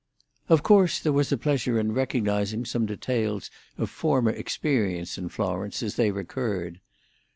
Of course there was a pleasure in recognising some details of former experience in Florence as they recurred.